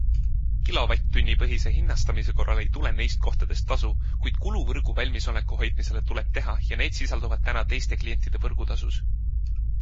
Kilovatt-tunni põhise hinnastamise korral ei tule neist kohtadest tasu, kuid kulud võrgu valmisoleku hoidmisele tuleb teha ja need sisalduvad täna teiste klientide võrgutasus.